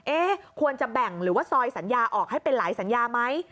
ควรจะแบ่งหรือว่าซอยสัญญาออกให้เป็นหลายสัญญาไหม